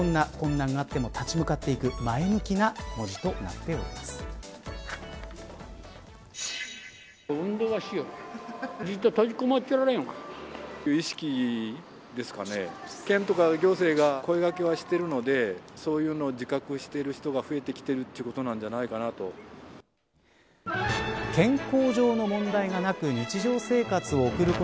どんな困難があっても立ち上がっていく前向きの文字となっております。